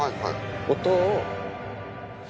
音を。